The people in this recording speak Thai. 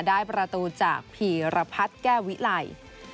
ได้ประตูจากผีระพัดแก้วิไล